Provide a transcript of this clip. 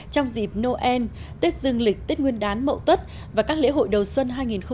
trong dịp noel tết dương lịch tết nguyên đán mậu tuất và các lễ hội đầu xuân hai nghìn hai mươi bốn